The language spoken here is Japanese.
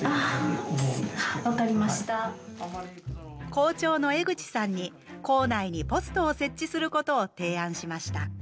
校長の江口さんに校内にポストを設置することを提案しました。